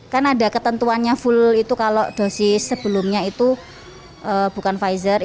kan ada ketentuannya full itu kalau dosis sebelumnya itu bukan pfizer